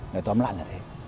nói tóm lại là thế